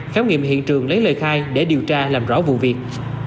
khám nghiệm hiện trường lấy lời khai để điều tra làm rõ vụ việc